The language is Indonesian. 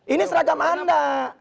ini seragam anda